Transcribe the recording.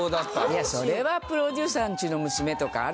いやそれはプロデューサーんちの娘とかあるじゃない。